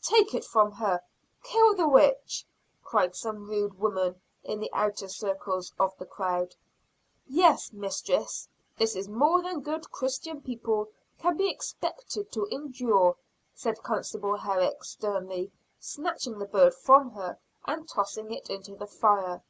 "Take it from her! kill the witch!" cried some rude women in the outer circles of the crowd. "Yes, mistress, this is more than good Christian people can be expected to endure," said constable Herrick, sternly, snatching the bird from her and tossing it into the fire.